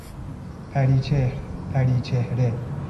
پری چهر- پری چهره